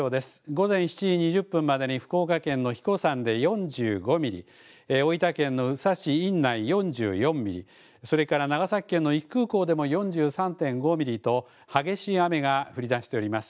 午前７時２０分までに、福岡県の英彦山で４５ミリ、大分県の宇佐市院内４４ミリ、それから長崎県の壱岐空港でも４３．５ミリと、激しい雨が降りだしております。